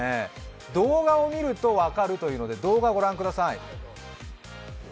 動画を見ると分かるというので、動画を御覧ください。